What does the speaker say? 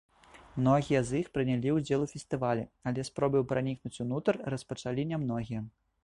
Многія з іх прынялі ўдзел у фестывалі, але спробы пранікнуць унутр распачалі нямногія.